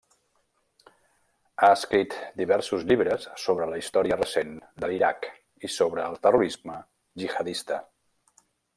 Ha escrit diversos llibres sobre la història recent de l'Iraq i sobre el terrorisme jihadista.